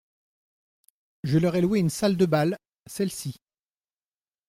Je leur ai loué une salle de bal, celle-ci.